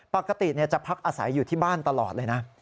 ปกติจะพักอาศัยอยู่ที่บ้านตลอดเลยนะ